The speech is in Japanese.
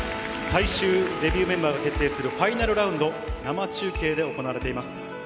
最終デビューメンバーが決定するファイナルラウンド、生中継で行われています。